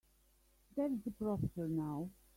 There's the professor now.